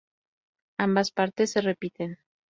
Ambas partes se repiten.